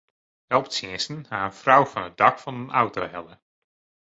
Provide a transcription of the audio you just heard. Helptsjinsten ha in frou fan it dak fan in auto helle.